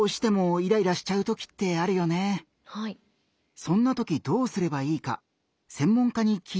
そんなときどうすればいいか専門家に聞いてみたよ。